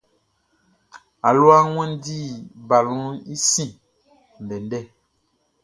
Aluaʼn wanndi balɔnʼn i sin ndɛndɛ.